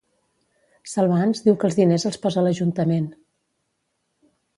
Salvans diu que els diners els posa l'Ajuntament.